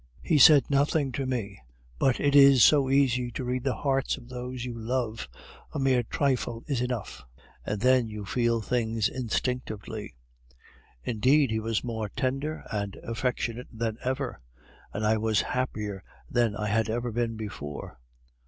He said nothing to me; but it is so easy to read the hearts of those you love, a mere trifle is enough; and then you feel things instinctively. Indeed, he was more tender and affectionate than ever, and I was happier than I had ever been before.